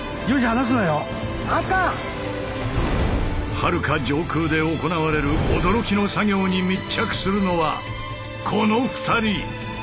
はるか上空で行われる驚きの作業に密着するのはこの２人。